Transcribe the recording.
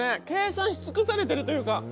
計算しつくされてるというか。